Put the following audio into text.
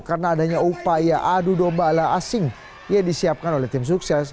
karena adanya upaya adu domba ala asing yang disiapkan oleh tim sukses